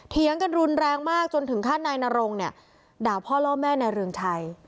เถียงกันรุนแรงมากจนถึงขั้นนายนรงเนี่ยด่าพ่อล่อแม่นายเรืองชัย